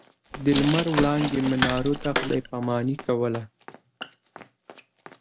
د لمر وړانګې منارو ته خداې پا ماني کوله.